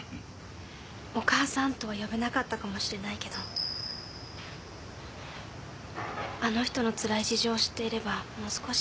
「お母さん」とは呼べなかったかもしれないけどあの人のつらい事情を知っていればもう少し。